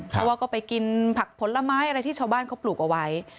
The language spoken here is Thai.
เพราะว่าก็ไปกินผักผลไม้อะไรที่ชาวบ้านเขาปลูกเอาไว้